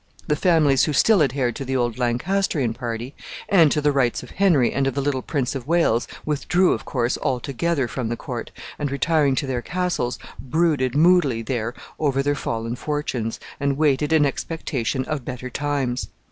The families who still adhered to the old Lancastrian party, and to the rights of Henry and of the little Prince of Wales, withdrew, of course, altogether from the court, and, retiring to their castles, brooded moodily there over their fallen fortunes, and waited in expectation of better times.